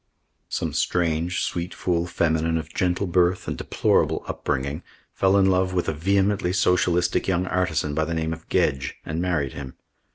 Some strange, sweet fool feminine of gentle birth and deplorable upbringing fell in love with a vehemently socialistic young artisan by the name of Gedge and married him.